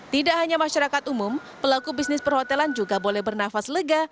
tidak hanya masyarakat umum pelaku bisnis perhotelan juga boleh bernafas lega